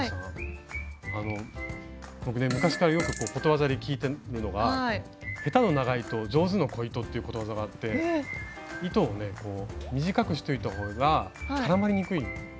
僕ね昔からよくことわざで聞いてるのが「下手の長糸上手の小糸」っていうことわざがあって糸を短くしておいた方が絡まりにくいんですよ。